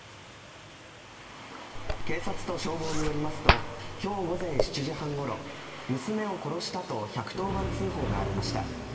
警察と消防によりますと今日午前７時半ごろ娘を殺したと１１０番通報がありました。